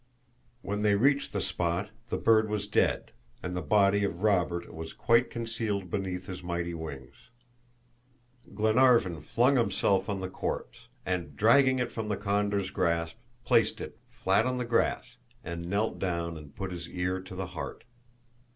When they reached the spot the bird was dead, and the body of Robert was quite concealed beneath his mighty wings. Glenarvan flung himself on the corpse, and dragging it from the condor's grasp, placed it flat on the grass, and knelt down and put his ear to the heart.